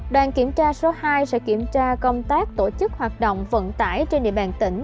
đoàn kiểm tra số hai sẽ kiểm tra công tác tổ chức hoạt động vận tải trên địa bàn tỉnh